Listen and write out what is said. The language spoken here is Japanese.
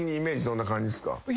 どんな感じですか？